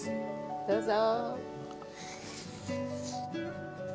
どうぞ。